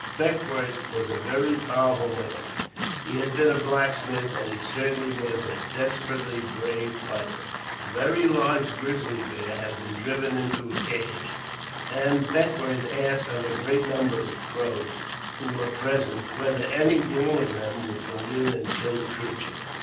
Beckwourth was a very powerful man — he had been a blacksmith — and he certainly was a desperately brave fighter. " A very large grizzly bear had been driven into a cave. NEW ENGLISH EDITION. 9 and Beckwourth asked of a great number of Crows who were present whether any one of them would go in and kill the creature.